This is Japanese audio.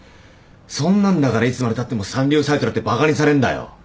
そんなんだからいつまでたっても三流サイトだってバカにされんだよ。